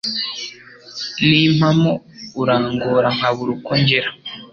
nimpamo urangora nkabura uko ngira